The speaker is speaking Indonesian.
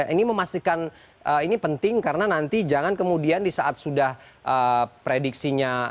ini memastikan ini penting karena nanti jangan kemudian di saat sudah prediksinya